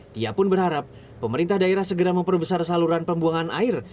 tia pun berharap pemerintah daerah segera memperbesar saluran pembuangan air